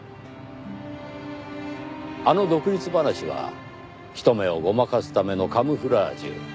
あの独立話は人目をごまかすためのカムフラージュ。